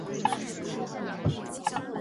蚁鸟并非猎人或宠物贸易的目标。